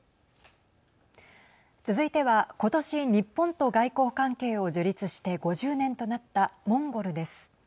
続いては、今年日本と外交関係を樹立して５０年となったモンゴルです。